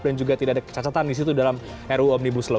dan juga tidak ada kecacatan di situ dalam ruu omnibus law